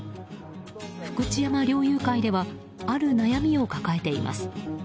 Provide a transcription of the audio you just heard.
福知山猟友会ではある悩みを抱えています。